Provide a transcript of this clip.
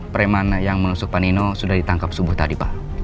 preman yang menusuk panino sudah ditangkap subuh tadi pak